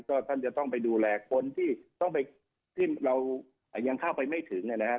ก็ท่านจะต้องไปดูแลคนที่ต้องไปที่เรายังเข้าไปไม่ถึงนะครับ